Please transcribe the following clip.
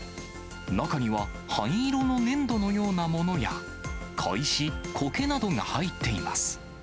中には、灰色の粘土のようなものや、小石、こけなどが入っています。